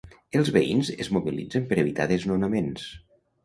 Els veïns es mobilitzen per evitar desnonaments.